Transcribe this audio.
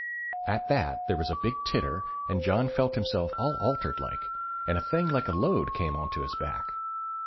At that there was a big titter and John felt himself all altered like, and a thing like a load came on to his back.